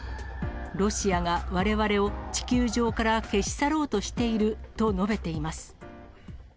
ロシアがわれわれを地球上から消し去ろうとしていると述べています。